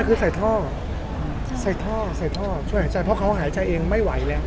ก็คือใส่ท่อใส่ท่อใส่ท่อช่วยหายใจเพราะเขาหายใจเองไม่ไหวแล้ว